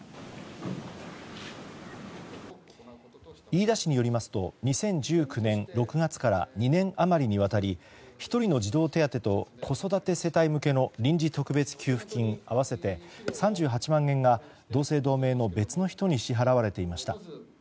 飯田市によりますと２０１９年６月から２年余りにわたり１人の児童手当と子育て世帯向けの臨時特別給付金合わせて３８万円が同姓同名の別の人に支払われていました。